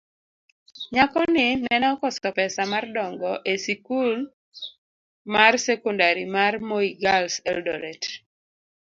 nyako ni nene okoso pesa mar dongo esikul marsekondari mar Moi Girls, Eldoret